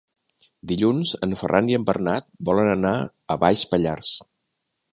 Dilluns en Ferran i en Bernat volen anar a Baix Pallars.